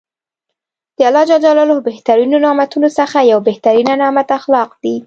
د الله ج له بهترینو نعمتونوڅخه یو بهترینه نعمت اخلاق دي .